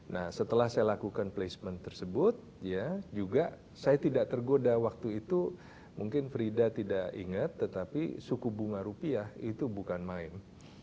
nah setelah saya lakukan placement tersebut ya juga saya tidak tergoda waktu itu mungkin frida tidak ingat tetapi suku bunga rupiah itu bukan main